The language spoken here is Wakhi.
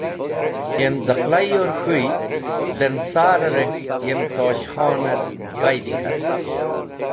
Yem cẽqlayyor k̃hũy dem sar-e ark yem Tosh Khoner baydi k̃hat.